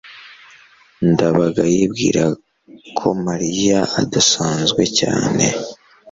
ndabaga yibwira ko mariya adasanzwe cyane